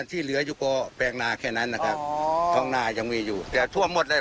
ที่เหลืออยู่ก็แปลงนาแค่นั้นนะครับท้องนายังมีอยู่แต่ท่วมหมดเลย